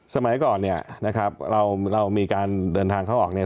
สมัยก่อนเนี่ยนะครับเรามีการเดินทางเข้าออกเนี่ย